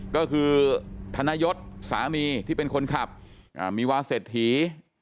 ก็คือธนยศสามีที่เป็นคนขับมีวาเศรษฐี